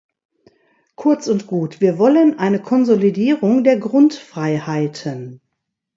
Kurz und gut, wir wollen eine Konsolidierung der Grundfreiheiten.